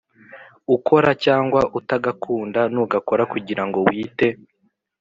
ukora cyangwa utagakunda nugakora kugira ngo wite